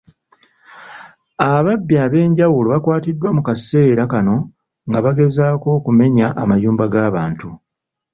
Ababbi eb'enjawulo bakwatiddwa mu kaseera kano nga bagezaako okumenya amayumba g'abantu.